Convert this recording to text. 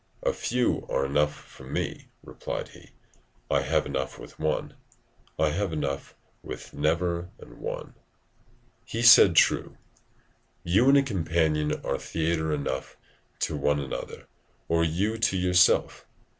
'A few are enough for me,' replied he; 'I have enough with one; I have enough with never an one.' [Seneca, Ep., 7.] He said true; you and a companion are theatre enough to one another, or you to yourself.